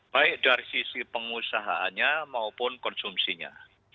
baik dari sisi pengusahaannya maupun konsumsinya